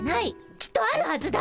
きっとあるはずだ。